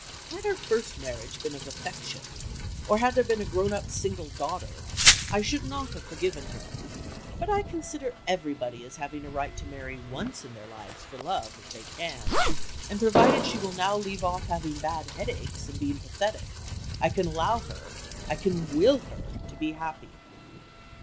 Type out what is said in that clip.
"Had her first marriage been of affection, or had there been a grown up single daughter, I should not have forgiven her; but I consider everybody as having a right to marry once in their lives for love, if they can, and provided she will now leave off having bad headaches, and being pathetic, I can allow her, I can will her, to be happy."